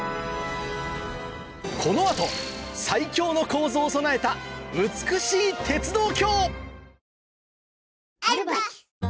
この後最強の構造を備えた美しい鉄道橋！